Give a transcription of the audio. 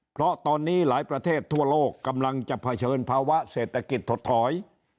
เพราะตอนนี้หลายประเทศทั่วโลกกำลังจะเผชิญภาวะเศรษฐกิจถดถอย